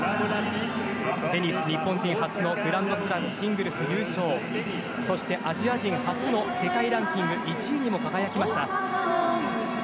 テニス、日本人初のグランドスラムシングルス優勝そして、アジア人初の世界ランキング１位にも輝きました。